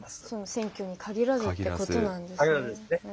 選挙に限らずってことなんですね。